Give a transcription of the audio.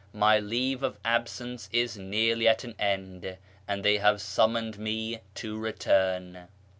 My leave of absence is nearly at an end, and they have summoned me to return."